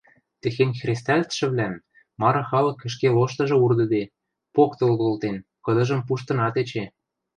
Техень хрестӓлтшӹвлӓм мары халык ӹшке лоштыжы урдыде, поктыл колтен, кыдыжым пуштынат эче...